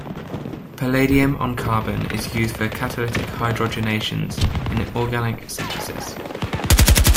Palladium on carbon is used for catalytic hydrogenations in organic synthesis.